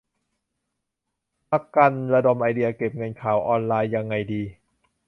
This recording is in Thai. มะกันระดมไอเดีย "เก็บเงินข่าวออนไลน์"ยังไงดี ?